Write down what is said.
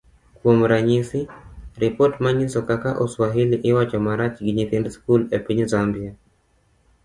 Kuom ranyisi, ripot manyiso kaka oswahili iwacho marach gi nyithind skul e piny Zambia